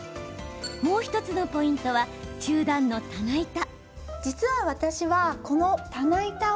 もう１つのポイントは中段の棚板。